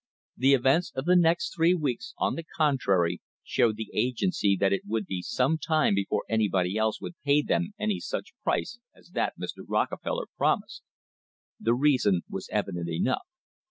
The events of the next three weeks, on the contrary, showed the agency that it would be some time before anybody else would pay them any such [ 120] "AN UNHOLY ALLIANCE" price as that Mr. Rockefeller promised. The reason was evi dent enough.